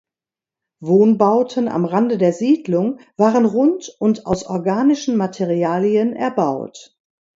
Wohnbauten am Rande der Siedlung waren rund und aus organischen Materialien erbaut.